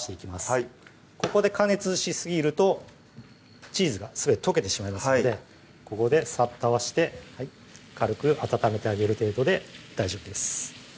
はいここで加熱しすぎるとチーズがすべて溶けてしまいますのでここでサッと合わせて軽く温めてあげる程度で大丈夫です